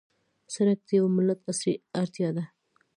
سړک د یوه ملت عصري اړتیا ده.